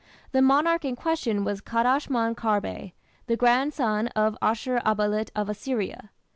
The monarch in question was Kadashman Kharbe, the grandson of Ashur uballit of Assyria.